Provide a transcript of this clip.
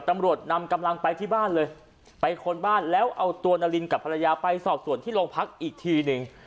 ตำรวจนำกำลังไปที่บ้านเลยไปค้นบ้านแล้วเอาตัวนารินกับภรรยาไปสอบส่วนที่โรงพักอีกทีหนึ่ง